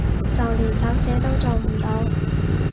就連手寫都做唔到